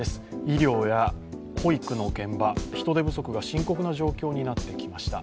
医療や保育の現場、人手不足が深刻な状況になってきました。